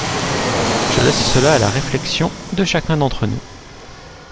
Je laisse cela à la réflexion de chacun d’entre nous.